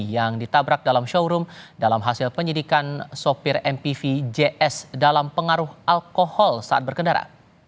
yang ditabrak dalam showroom dalam hasil penyidikan sopir mpv js dalam pengaruh alkohol saat berkendara